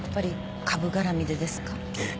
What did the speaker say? ええ。